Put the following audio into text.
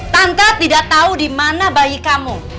tante tidak tahu di mana bayi kamu